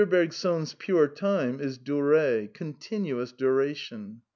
Bergson's Pure Time is Duree, continuous . duration.